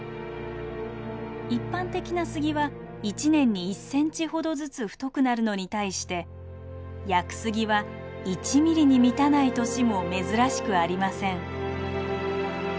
一般的な杉は１年に１センチほどずつ太くなるのに対して屋久杉は１ミリに満たない年も珍しくありません。